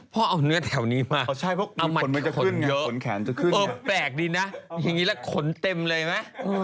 พ่อเอาเนื้อแถวนี้มาเอามันขนเยอะเออแปลกดินะยังงี้ละขนเต็มเลยนะ